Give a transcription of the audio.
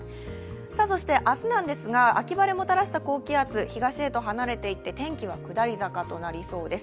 明日なんですが、秋晴れをもたらした高気圧、東へと離れていって天気は下り坂となりそうです。